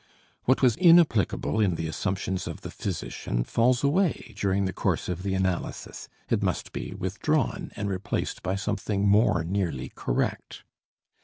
What was inapplicable in the assumptions of the physician falls away during the course of the analysis; it must be withdrawn and replaced by something more nearly correct.